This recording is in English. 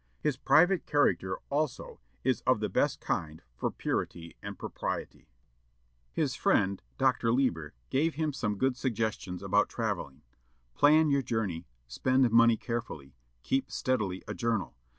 His private character, also, is of the best kind for purity and propriety." His friend Dr. Lieber gave him some good suggestions about travelling. "Plan your journey. Spend money carefully. Keep steadily a journal.